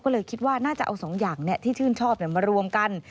ก็เลยคิดว่าน่าจะเอาสองอย่างที่ชื่นชอบมารวมกัน